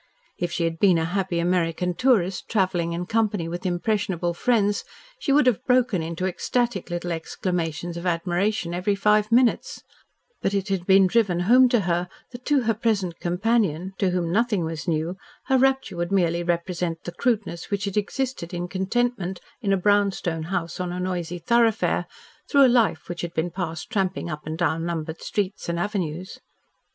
If she had been a happy American tourist travelling in company with impressionable friends, she would have broken into ecstatic little exclamations of admiration every five minutes, but it had been driven home to her that to her present companion, to whom nothing was new, her rapture would merely represent the crudeness which had existed in contentment in a brown stone house on a noisy thoroughfare, through a life which had been passed tramping up and down numbered streets and avenues.